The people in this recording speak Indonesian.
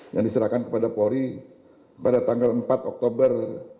yang diserahkan kepada polri pada tanggal empat oktober dua ribu dua puluh